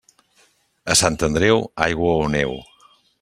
A Sant Andreu, aigua o neu.